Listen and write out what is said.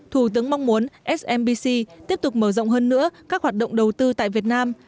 thủ tướng mong muốn smbc tiếp tục mở rộng hơn nữa các hoạt động đầu tư tại việt nam